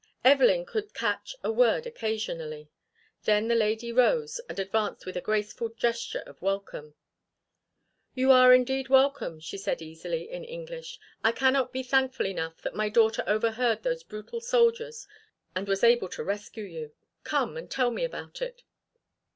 Evelyn could catch a word occasionally. Then the lady rose and advanced with a graceful gesture of welcome. "You are indeed welcome," she said easily in English. "I cannot be thankful enough that my daughter overheard those brutal soldiers and was able to rescue you. Come and tell me about it."